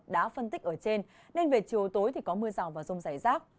đã phân tích ở trên nên về chiều tối thì có mưa rào vào rông giải rác